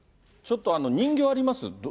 ちょっと人形あります？